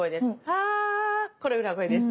ハこれ裏声です。